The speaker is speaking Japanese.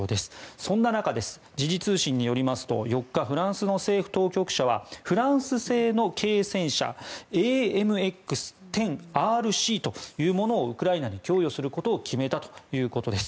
そんな中、時事通信によりますと４日、フランスの政府当局者はフランス製の軽戦車ＡＭＸ１０ＲＣというものをウクライナに供与することを決めたということです。